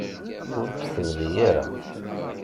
Ur tt-tebɣi ara.